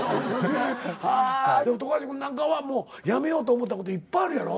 でも富樫君なんかはやめようと思ったこといっぱいあるやろ？